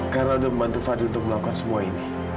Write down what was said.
karena udah membantu fadil untuk melakukan semua ini